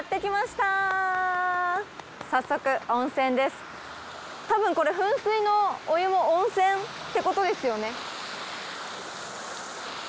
たぶんこれ噴水のお湯も温泉ってことですよね。